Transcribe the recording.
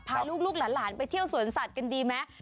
พาลูกหลานไปเที่ยวสวนสัตว์กันดีไหม